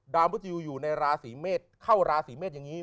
มุจยูอยู่ในราศีเมษเข้าราศีเมษอย่างนี้